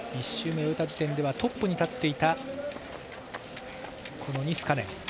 １周目終えた時点ではトップに立っていたニスカネン。